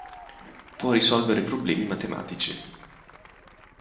Può risolvere problemi matematici.